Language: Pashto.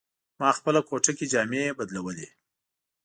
ما خپله کوټه کې جامې بدلولې.